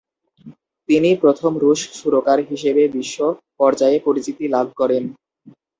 তিনি প্রথম রুশ সুরকার হিসেবে বিশ্ব পর্যায়ে পরিচিত লাভ করেন।